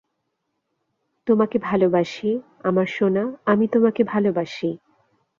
তোমাকে ভালবাসি, আমার সোনা, আমি তোমাকে ভালবাসি।